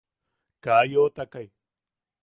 Ka yoʼotakai.